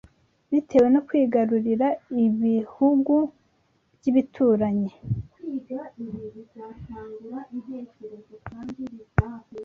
bitewe no kwigarurira ibihugu by’ibituranyi